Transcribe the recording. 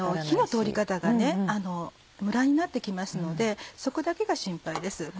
火の通り方がムラになって来ますのでそこだけが心配です。